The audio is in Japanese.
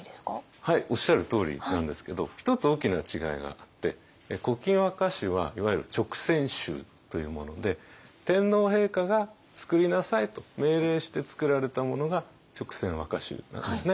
はいおっしゃるとおりなんですけど一つ大きな違いがあって「古今和歌集」はいわゆる勅撰集というもので天皇陛下が「作りなさい」と命令して作られたものが勅撰和歌集なんですね。